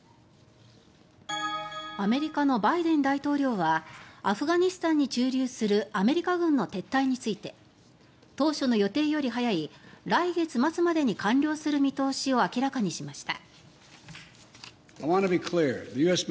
アメリカのバイデン大統領はアフガニスタンに駐留するアメリカ軍の撤退について当初の予定より早い来月末までに完了する見通しを明らかにしました。